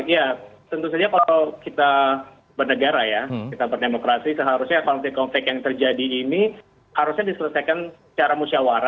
ya tentu saja kalau kita bernegara ya kita berdemokrasi seharusnya konflik konflik yang terjadi ini harusnya diselesaikan secara musyawara